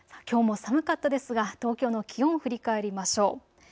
きょうも寒かったですが東京の気温を振り返りましょう。